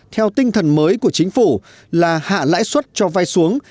theo tinh thần mới của chính phủ là hạ lãi suất cho vai xuống